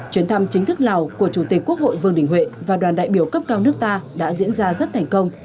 chuyến thăm chính thức lào của chủ tịch quốc hội vương đình huệ và đoàn đại biểu cấp cao nước ta đã diễn ra rất thành công